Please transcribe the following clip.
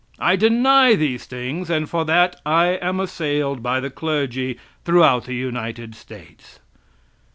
I deny these things, and for that I am assailed by the clergy throughout the United States.